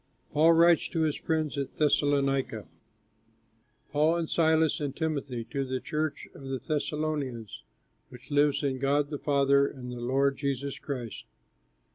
PAUL WRITES TO HIS FRIENDS AT THESSALONICA Paul and Silas and Timothy to the church of the Thessalonians which lives in God the Father and the Lord Jesus Christ.